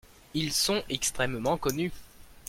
Ils sont extrèmement connus.